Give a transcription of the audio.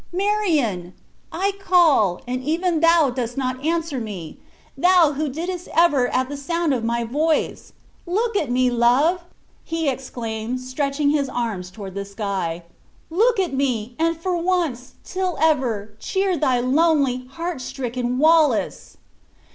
Marion! I call, and even thou dost not answer me; thou, who didst ever fly at the sound of my voice! Look on me, love!" exclaimed he, stretching his arms toward the sky; "look on me, and for once, till ever, cheer thy lonely, heart stricken Wallace!"